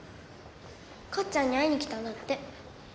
かっちゃんに会いにきたんだって。